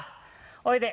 おいで。